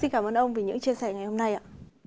xin cảm ơn ông vì những chia sẻ ngày hôm nay ạ